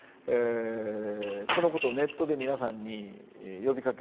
このことをネットで皆さんに呼びかけ